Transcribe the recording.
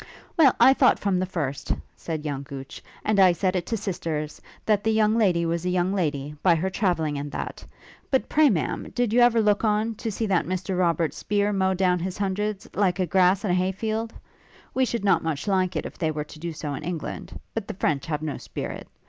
'Well, I thought from the first,' said young Gooch, 'and I said it to sisters, that the young lady was a young lady, by her travelling, and that. But pray, Ma'am, did you ever look on, to see that Mr Robert Speer mow down his hundreds, like to grass in a hay field? We should not much like it if they were to do so in England. But the French have no spirit.